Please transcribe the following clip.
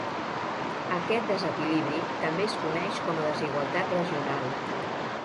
Aquest desequilibri també es coneix com a desigualtat regional.